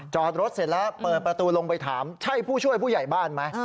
จอดรถเสร็จแล้วเปิดประตูลงไปถามใช่ผู้ช่วยผู้ใหญ่บ้านไหม